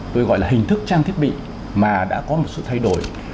tôi gọi là hình thức trang thiết bị mà đã có một sự thay đổi